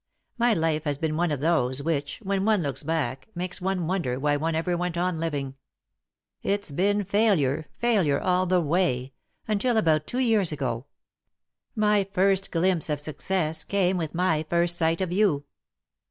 My life has been one of those which, when one looks back, make one wonder why one ever went on living. It's been failure, failure, all the way — until about two years ago. My first glimpse of success came with my first sight of you."